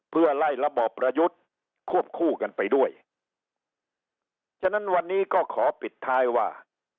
เพื่อไล่ระบอบประยุทธ์ควบคู่กันไปด้วยฉะนั้นวันนี้ก็ขอปิดท้ายว่า